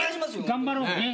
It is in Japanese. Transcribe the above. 頑張ろう。